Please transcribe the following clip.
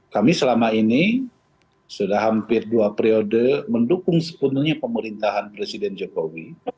kami selama ini sudah hampir dua periode mendukung sepenuhnya pemerintahan presiden jokowi